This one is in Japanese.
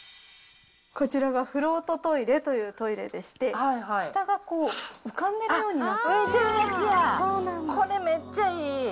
こちらがフロートトイレというトイレでして、下が浮かんでる浮いてるやつや、これ、めっちゃいい。